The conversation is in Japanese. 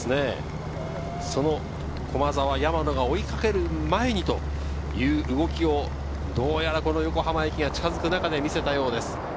駒澤・山野が追いかける前にという動きをどうやら横浜駅が近づく中で見せたようです。